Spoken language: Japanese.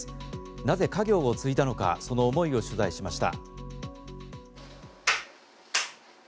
なぜ家業を継いだのかその思いを取材しました。